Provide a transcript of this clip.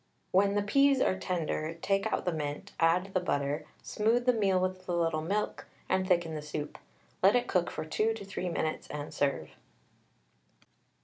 When the peas are tender, take out the mint, add the butter, smooth the meal with a little milk, and thicken the soup. Let it cook for 2 to 3 minutes, and serve.